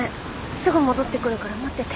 すぐ戻ってくるから待ってて。